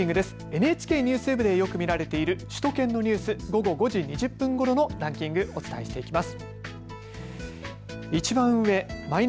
ＮＨＫＮＥＷＳＷＥＢでよく見られている首都圏のニュース、午後５時２０分ごろのランキング、お伝えしていきます。